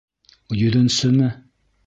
Йөҙөнсөмө?